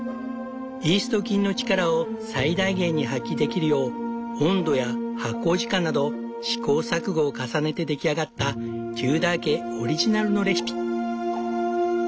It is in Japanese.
イースト菌の力を最大限に発揮できるよう温度や発酵時間など試行錯誤を重ねて出来上がったテューダー家オリジナルのレシピ。